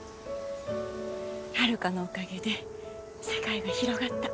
ハルカのおかげで世界が広がった。